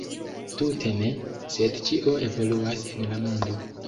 Tute ne, sed ĉio evoluas en la mondo!